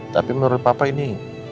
tapi menurut papa ini